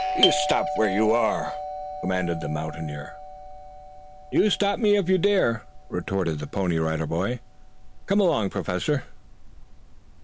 "You stop where you are!" commanded the mountaineer. "You stop me if you dare," retorted the Pony Rider Boy. "Come along, Professor."